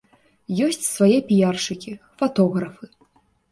Ёсць свае піяршчыкі, фатографы.